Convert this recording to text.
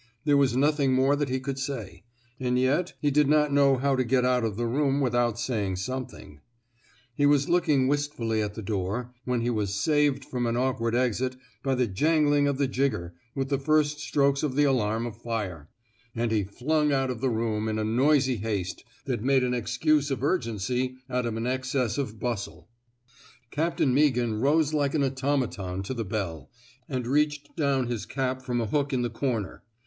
There was nothing more that he could say, and yet he did not know how to get out of the room without saying something. He was looking wistfully at the door, when he was saved from an awkward exit by the jangling of the jigger with the first strokes of the alarm of fire; and he flung out of the room in a noisy haste that made an excuse of urgency out of an excess of bustle. 224 A QUESTION OF EETIEEMENT Captain Meaghan rose like an automaton to the bell, and reached down his cap from a hook in the corner.